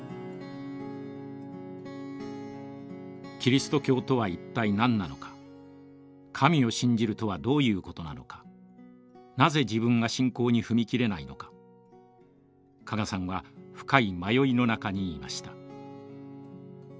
キリスト教とは一体何なのか神を信じるとはどういうことなのかなぜ自分が信仰に踏み切れないのか加賀さんは深い迷いの中にいました。